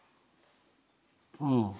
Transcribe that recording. うん。